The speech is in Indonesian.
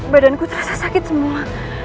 badanku terasa sakit semua